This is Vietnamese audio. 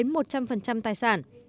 từ bốn mươi đến một trăm linh tài sản